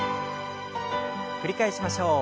繰り返しましょう。